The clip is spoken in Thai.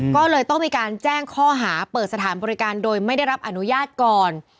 ก็เลยต้องมีการแจ้งข้อหาเปิดสถานบริการโดยไม่ได้รับอนุญาตก่อน